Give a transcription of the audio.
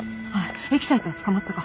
エキサイトは捕まったか。